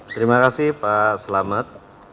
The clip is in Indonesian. terima kasih pak selamat